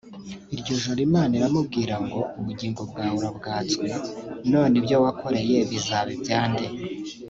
Iryo joro Imana iramubwira ngo ubugingo bwawe urabwatswe none ibyo wakoreye bizaba ibya nde